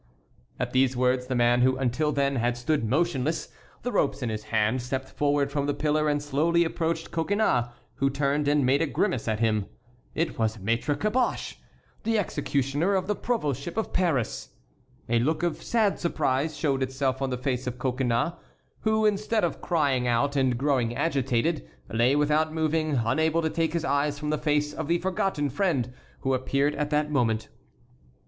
At these words the man, who until then had stood motionless, the ropes in his hand, stepped forward from the pillar and slowly approached Coconnas, who turned and made a grimace at him. It was Maître Caboche, the executioner of the provostship of Paris. A look of sad surprise showed itself on the face of Coconnas, who, instead of crying out and growing agitated, lay without moving, unable to take his eyes from the face of the forgotten friend who appeared at that moment.